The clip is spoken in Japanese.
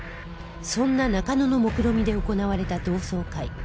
そんな中野のもくろみで行われた同窓会